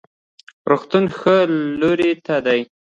روغتون ښي لوري ته دی